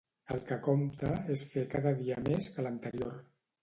El que compta és fer cada dia més que l'anterior.